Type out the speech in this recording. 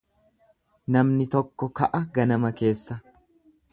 Namni tokko ka'a ganama keessa.